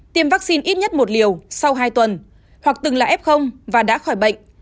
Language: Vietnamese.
tiêm vaccine ít nhất một liều sau hai tuần hoặc từng là f và đã khỏi bệnh